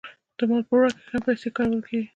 د مال په ورکړه کې هم پیسې کارول کېږي